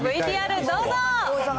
ＶＴＲどうぞ。